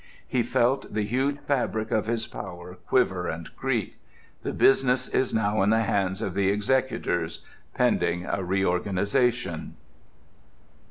He felt the huge fabric of his power quiver and creak. The business is now in the hands of the executors, pending a reorganization.